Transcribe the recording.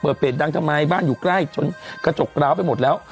เปิดเปลี่ยนดังทำไมบ้านอยู่ใกล้จนกระจกราวไปหมดแล้ว